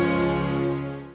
sampai jumpa lagi